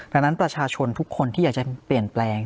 ดังนั้นประชาชนทุกคนที่อยากจะเปลี่ยนแปลง